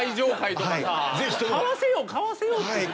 買わせよう買わせようっていう。